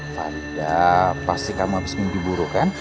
fahidah pasti kamu habis mimpi buruh kan